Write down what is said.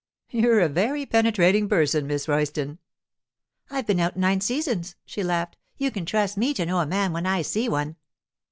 'You're a very penetrating person, Miss Royston.' 'I've been out nine seasons,' she laughed. 'You can trust me to know a man when I see one!